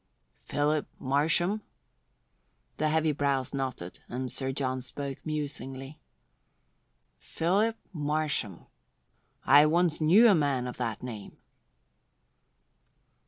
"Philip Marsham?" The heavy brows knotted and Sir John spoke musingly. "Philip Marsham! I once knew a man of that name."